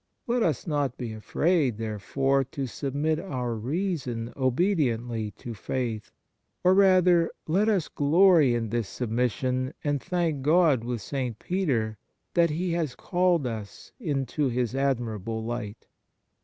Let us not be afraid, therefore, to sub mit our reason obediently to faith; or, rather, let us glory in this submission, and thank God, with St. Peter, that " He has called us into His admirable light."